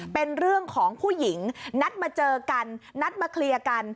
เป็นเรื่องของผู้หญิงนัดมาเจอกันนัดมาเคลียร์กัน